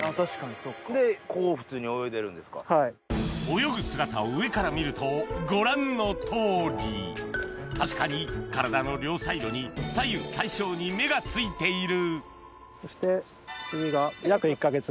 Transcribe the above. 泳ぐ姿を上から見るとご覧の通り確かに体の両サイドに左右対称に目が付いているそして次が約１か月後です。